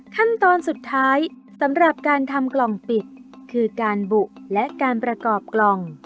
ขั้นตอนสุดท้ายสำหรับการทำกล่องปิดคือการบุและการประกอบกล่อง